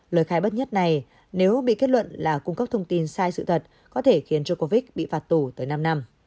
lời khai bất nhất này nếu bị kết luận là cung cấp thông tin sai sự thật có thể khiến cho covid bị phạt tù tới năm năm